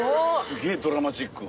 すげぇドラマチック。